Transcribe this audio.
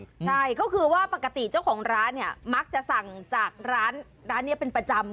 ใช่ก็คือว่าปกติเจ้าของร้านเนี่ยมักจะสั่งจากร้านร้านนี้เป็นประจำ